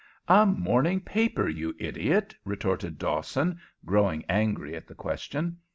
"A morning paper, you idiot!" retorted Dawson, growing angry at the question.